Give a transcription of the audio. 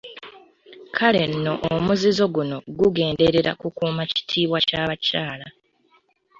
Kale nno omuzizo guno gugenderera kukuuma kitiibwa kya bakyala.